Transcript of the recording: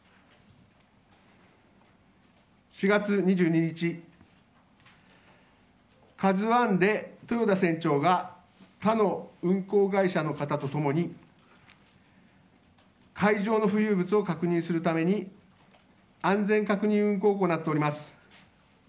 ４月２２日、「ＫＡＺＵ１」で豊田船長が他の運航会社の方と共に海上の浮遊物を確認するために安全確認運航を行ってございます。